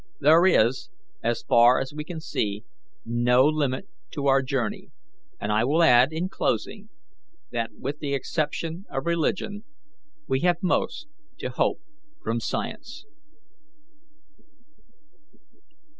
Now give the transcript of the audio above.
There is, so far as we can see, no limit to our journey, and I will add, in closing, that, with the exception of religion, we have most to hope from science."